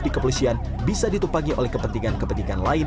di kepolisian bisa ditumpangi oleh kepentingan kepentingan lain